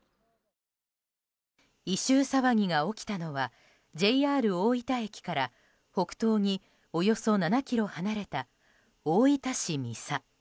異臭騒ぎが起きたのはＪＲ大分駅から北東におよそ７ｋｍ離れた大分市三佐。